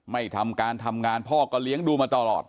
ไม่ทำการทำงานพ่อก็เลี้ยงดูมาตลอด